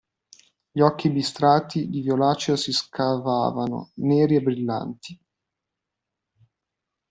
Gli occhi bistrati di violaceo si scavavano, neri e brillanti.